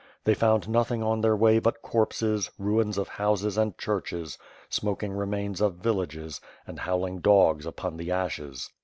They found nothing on their way but corpses, ruins of houses and churches, smoking remains of villages, and howling dogs upon the ashes.